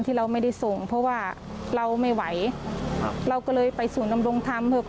แต่ว่าเจ้านี่เขาไม่ได้ไปด้วย